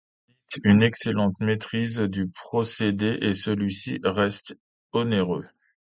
Elle nécessite une excellente maîtrise du procédé et celui-ci reste onéreux.